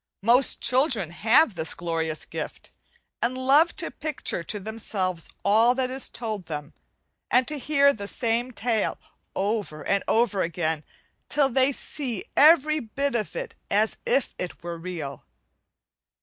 Most children have this glorious gift, and love to picture to themselves all that is told them, and to hear the same tale over and over again till they see every bit of it as if it were real.